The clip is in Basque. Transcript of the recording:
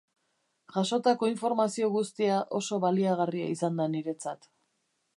Jasotako informazio guztia oso baliagarria izan da niretzat.